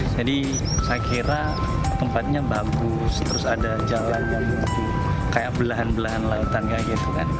jadi saya kira tempatnya bagus terus ada jalan yang kayak belahan belahan lautan kayak gitu kan